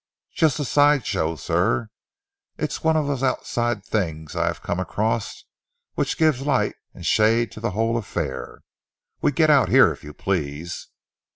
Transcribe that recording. "Just a side show, sir. It's one of those outside things I have come across which give light and shade to the whole affair. We get out here, if you please."